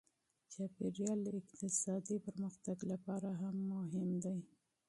چاپیریال د اقتصادي پرمختګ لپاره هم مهم دی.